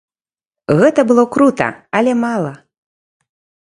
Гэта было крута, але мала.